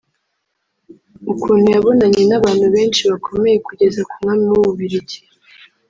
ukuntu yabonanye n’abantu benshi bakomeye kugeza ku Mwami w’u Bubiligi